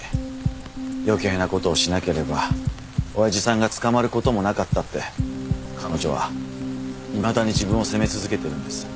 余計な事をしなければ親父さんが捕まる事もなかったって彼女はいまだに自分を責め続けてるんです。